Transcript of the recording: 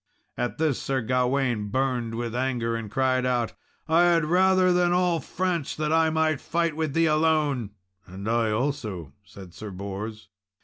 At this, Sir Gawain burned with anger, and cried out, "I had rather than all France that I might fight with thee alone!" "And I also," said Sir Bors.